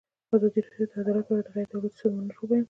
ازادي راډیو د عدالت په اړه د غیر دولتي سازمانونو رول بیان کړی.